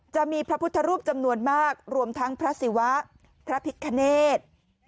จะมีพระพุทธรูปจำนวนมากรวมทั้งพระศิวะพระพิคเนธ